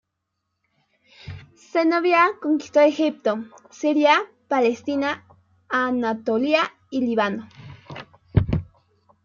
Zenobia conquistó Egipto, Siria, Palestina, Anatolia y Líbano.